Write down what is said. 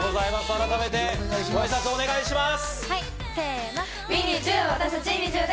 改めてご挨拶をお願いします。